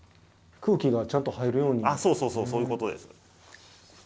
あっそうそうそうそういうことです。